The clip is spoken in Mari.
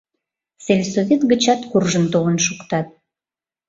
Сельсовет гычат куржын толын шуктат.